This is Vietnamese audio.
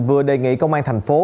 vừa đề nghị công an thành phố